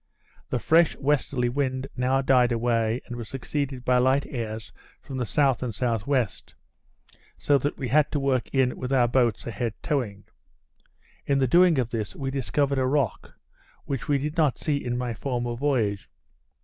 The fresh westerly wind now died away, and was succeeded by light airs from the S. and S.W., so that we had to work in with our boats a head towing. In the doing of this we discovered a rock, which we did not see in my former voyage.